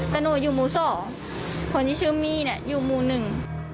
แต่หนูอยู่หมู่สองคนที่ชื่อมี่เนี่ยอยู่หมู่หนึ่ง